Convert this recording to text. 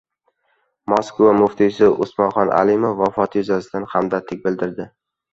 Moskva muftiysi Usmonxon Alimov vafoti yuzasidan hamdardlik bildirdi